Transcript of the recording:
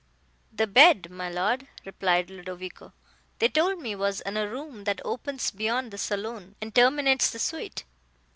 "The bed, my Lord," replied Ludovico, "they told me, was in a room that opens beyond the saloon, and terminates the suite."